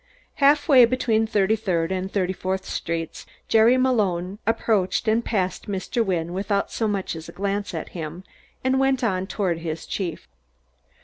Half way between Thirty third and Thirty fourth Streets, Jerry Malone approached and passed Mr. Wynne without so much as a glance at him, and went on toward his chief.